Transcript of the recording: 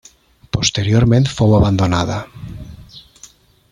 Posteriorment fou abandonada.